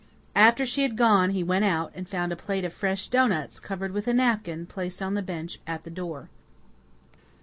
After she had gone he went out, and found a plate of fresh doughnuts, covered with a napkin, placed on the bench at the door.